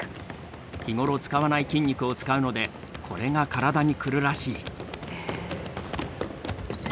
日頃使わない筋肉を使うのでこれが体にくるらしい。